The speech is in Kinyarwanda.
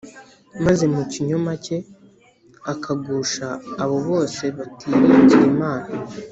maze mu kinyoma cye akagusha abo bose batiringira Imana